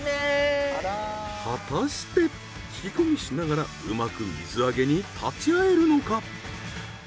果たして聞き込みしながらうまく水揚げに立ち会えるのか？